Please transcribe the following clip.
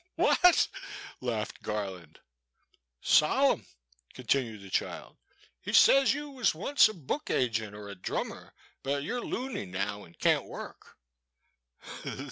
What, '' laughed Garland. Solemn,*' continued the child, he says you was onct a book agent or a drummer, but you 're loony now and can't work."